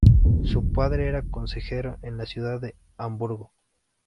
Su padre era consejero en la ciudad de Hamburgo.